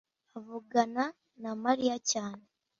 avugana na Mariya cyane